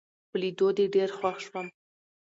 په لیدو دي ډېر خوښ شوم